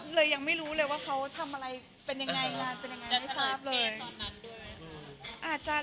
เลยยังไม่รู้เลยว่าเค้าทำอะไรบ้างมหาแหลมกลัวไม่ทราบเลย